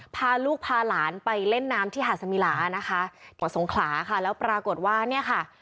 พาลูกพาหลานไปเล่นน้ำที่หาดสมิลานะคะกว่าสงขลาค่ะแล้วปรากฏว่าเนี่ยค่ะ